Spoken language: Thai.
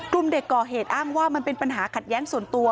กลุ่มเด็กก่อเหตุอ้างว่ามันเป็นปัญหาขัดแย้งส่วนตัว